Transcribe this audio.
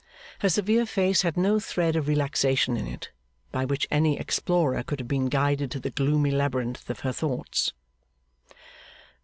Her severe face had no thread of relaxation in it, by which any explorer could have been guided to the gloomy labyrinth of her thoughts.